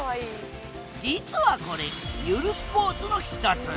実はこれゆるスポーツの一つ。